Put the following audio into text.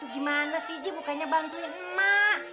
gimana sih ji bukannya bantuin emak